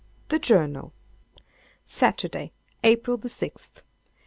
"THE JOURNAL. "Saturday, April the 6th.